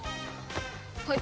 はい。